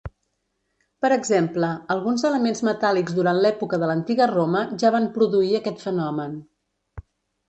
Per exemple, alguns elements metàl·lics durant l'època de l'Antiga Roma ja van produir aquest fenomen.